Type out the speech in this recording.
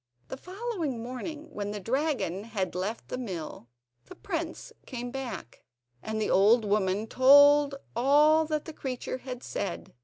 The following morning, when the dragon had left the mill, the prince came back, and the old woman told him all that the creature had said.